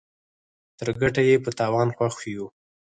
تر ګټه ئې په تاوان خوښ يو.